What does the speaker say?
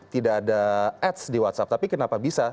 tidak ada ads di whatsapp tapi kenapa bisa